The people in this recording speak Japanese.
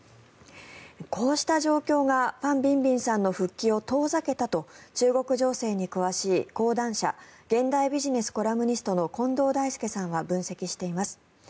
こうした状況がファン・ビンビンさんの復帰を遠ざけたと中国情勢に詳しい講談社現代ビジネスコラムニストの近藤大介さんは分析しています。